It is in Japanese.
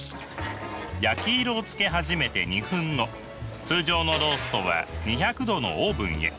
焼き色をつけ始めて２分後通常のローストは２００℃のオーブンへ。